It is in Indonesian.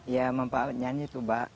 ya manfaatnya itu mbak